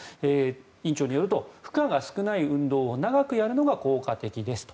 院長によると負荷が少ない運動を長くやるのが効果的ですと。